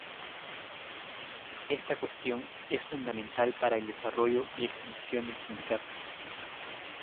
Esta cuestión es fundamental para el desarrollo y extensión del Sindicato.